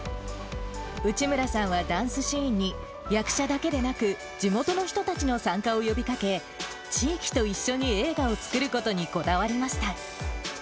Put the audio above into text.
内村さんはダンスシーンに、役者だけでなく、地元の人たちの参加を呼びかけ、地域と一緒に映画を作ることにこだわりました。